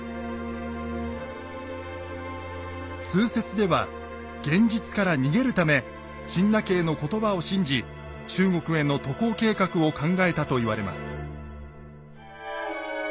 通説では現実から逃げるため陳和の言葉を信じ中国への渡航計画を考えたと言われます。